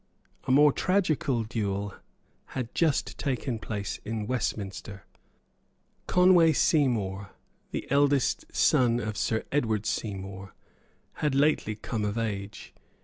A more tragical duel had just taken place at Westminster. Conway Seymour, the eldest son of Sir Edward Seymour, had lately come of age.